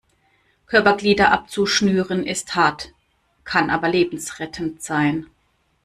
Körperglieder abzuschnüren ist hart, kann aber lebensrettend sein.